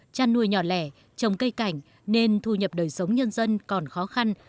chăn nuôi nhỏ lẻ trồng cây cảnh nên thu nhập đời sống nhân dân còn khó khăn